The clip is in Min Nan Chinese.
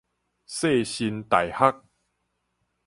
世新大學